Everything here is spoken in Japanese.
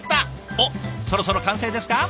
おっそろそろ完成ですか？